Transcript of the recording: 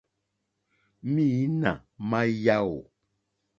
Mǐnà má yáò.